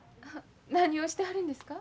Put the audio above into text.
何をしてはるんですか？